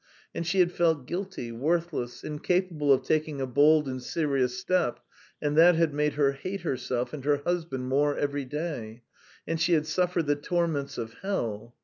And she had felt guilty, worthless, incapable of taking a bold and serious step, and that had made her hate herself and her husband more every day, and she had suffered the torments of hell.